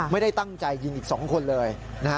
ไม่ได้ตั้งใจยิงอีก๒คนเลยนะฮะ